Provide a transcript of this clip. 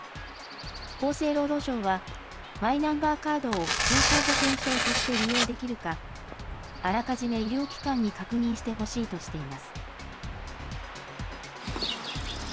厚生労働省は、マイナンバーカードを健康保険証として利用できるか、あらかじめ医療機関に確認してほしいとしています。